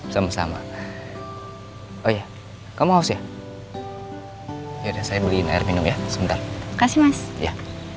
sama sama oh ya kamu mau ya ya udah saya beliin air minum ya sebentar kasih mas ya